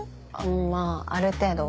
まぁある程度は。